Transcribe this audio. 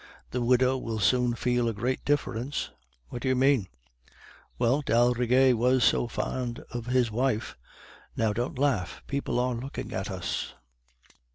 "'The widow will soon feel a great difference.' "'What do you mean?' "'Well, d'Aldrigger was so fond of his wife. Now, don't laugh, people are looking at us.